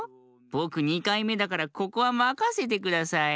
ぼく２かいめだからここはまかせてください。